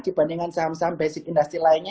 dibandingkan saham saham basic industry lainnya